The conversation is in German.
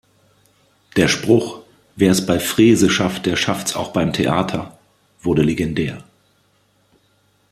Der Spruch „Wer’s bei Frese schafft, der schafft’s auch beim Theater“ wurde legendär.